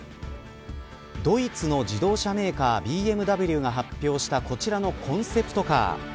ドイツの自動車メーカーＢＭＷが発表したこちらのコンセプトカー。